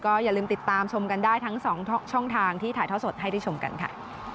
อย่าลืมติดตามชมกันได้ทั้ง๒ช่องทางที่ถ่ายท่อสดให้ได้ชมกันค่ะ